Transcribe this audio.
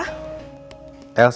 kabar gembira apa